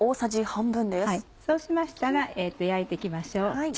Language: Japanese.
そうしましたら焼いて行きましょう。